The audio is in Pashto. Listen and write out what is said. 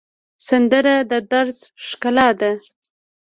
سندره د دَرد ښکلا ده